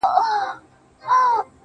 o جغ پر غاړه، او جغ غواړه٫